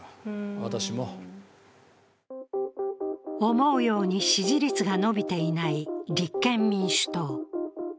思うように支持率が伸びていない立憲民主党。